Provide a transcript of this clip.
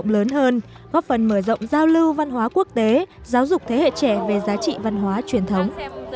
lớn hơn góp phần mở rộng giao lưu văn hóa quốc tế giáo dục thế hệ trẻ về giá trị văn hóa truyền thống